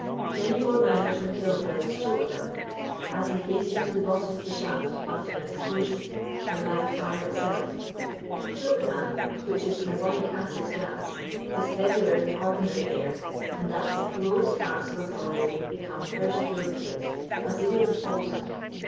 Many more miners are killed by this choke damp, as they hasten to the bottom of the shaft after an explosion, than by the fire itself. Choke damp, which is carbonic acid gas, is heavier than ordinary air, and thus the lowest parts of a colliery become first filled with it, as they would with water.